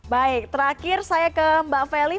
baik terakhir saya ke mbak feli